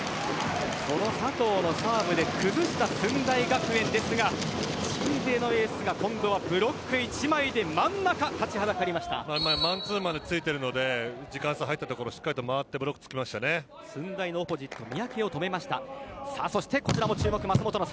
その佐藤のサーブで崩した駿台学園ですが鎮西のエースが今度はブロック１枚でマンツーマンでついているので時間差入ったところしっかり回って駿台のオポジット三宅を止めました。